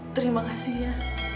terima kasih ia